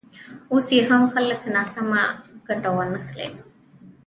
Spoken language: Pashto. اوس یې هم خلک ناسمه ګټه وانخلي.